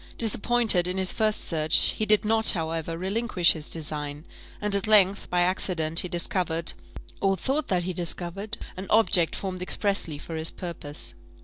Disappointed in his first search, he did not, however, relinquish his design; and at length, by accident, he discovered, or thought that he discovered, an object formed expressly for his purpose.